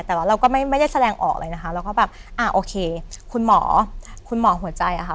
แต่ว่าเราก็ไม่ได้แสดงออกเลยนะคะเราก็แบบอ่าโอเคคุณหมอคุณหมอหัวใจอะค่ะ